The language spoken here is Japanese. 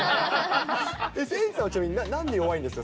誠司さんはちなみになんで弱いんですか？